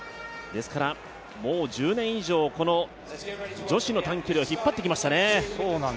ですからもう１０年以上、この女子の短距離を引っ張ってきました。